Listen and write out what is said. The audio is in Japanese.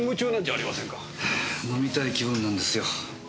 はぁ飲みたい気分なんですよ。